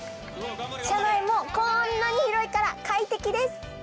車内もこんなに広いから快適です。